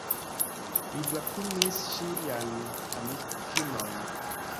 Li brakumis ŝian amikinon.